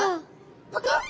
パカッ！